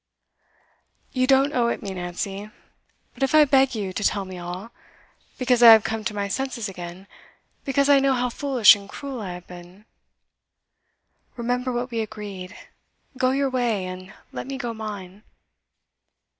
'You don't owe it me, Nancy; but if I beg you to tell me all because I have come to my senses again because I know how foolish and cruel I have been ' 'Remember what we agreed. Go your way, and let me go mine.